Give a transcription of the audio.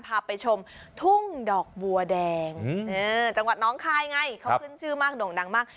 พาไปชมทุ่งดอกบัวแดงจังหวัดน้องคายไงเขาขึ้นชื่อมากโด่งดังมาก